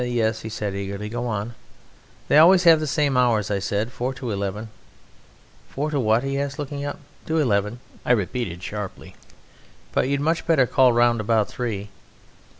"Yes," said he eagerly, "yes, go on!" "They always have the same hours," I said, "four to eleven." "Four to what?" he asked, looking up. "To eleven," I repeated sharply; "but you'd much better call round about three."